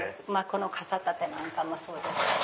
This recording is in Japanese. この傘立てなんかもそうですけど。